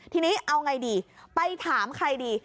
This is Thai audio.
ทีนี้เอาไงดีไปถามใครดี